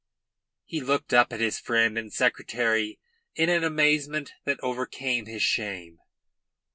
He looked up at his friend and secretary in an amazement that overcame his shame.